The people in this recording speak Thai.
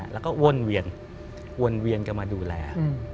แล้วก็วนเวียนกันมาดูแล